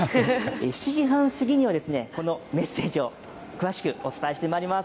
７時半過ぎには、このメッセージを詳しくお伝えしてまいります。